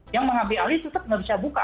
yang mengambil alih tetap nggak bisa buka